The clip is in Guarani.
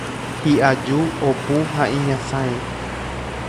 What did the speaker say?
Hi'aju, opu ha iñasãi.